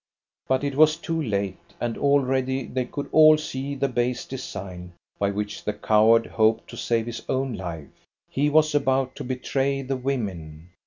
But it was too late, and already they could all see the base design by which the coward hoped to save his own life. He was about to betray the women.